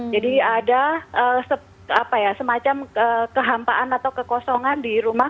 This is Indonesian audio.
jadi ada semacam kehampaan atau kekosongan di rumah